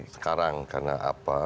sekarang karena apa